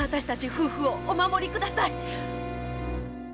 夫婦をお守りください！